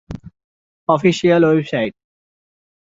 official website